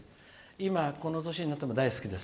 今、この年になっても大好きです。